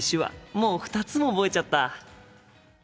もう２つも覚えちゃった！